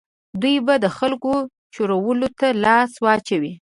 دوی به د خلکو چورولو ته لاس واچوي.